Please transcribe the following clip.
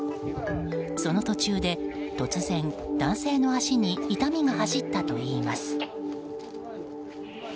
その途中で突然、男性の足に痛みが走ったといいます。